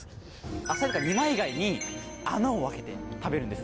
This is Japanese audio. アサリとか二枚貝に穴を開けて食べるんですよ。